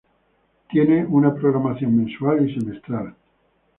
Tiene una programación mensual y semestral.